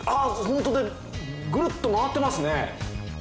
ホントだぐるっと回ってますね！